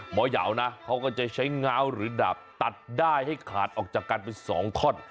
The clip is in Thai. เหยาวนะเขาก็จะใช้ง้าวหรือดาบตัดได้ให้ขาดออกจากกันเป็น๒ท่อน